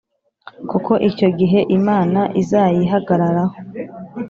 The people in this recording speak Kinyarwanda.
kuko icyo gihe Imana izayihagararaho,